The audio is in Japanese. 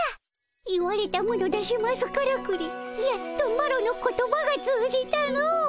言われたもの出しますからくりやっとマロの言葉が通じたの。